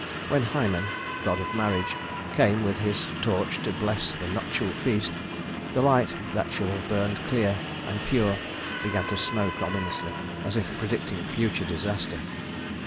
When Hymen, god of marriage, came with his torch to bless the nuptial feast, the light that should have burned clear and pure began to smoke ominously, as if predicting future disaster.